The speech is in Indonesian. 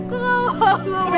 gue gak mau